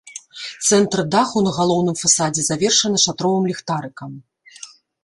Цэнтр даху на галоўным фасадзе завершаны шатровым ліхтарыкам.